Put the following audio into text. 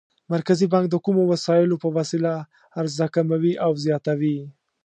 مرکزي بانک د کومو وسایلو په وسیله عرضه کموي او زیاتوي؟